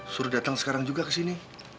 suruh datang sekarang juga ke sini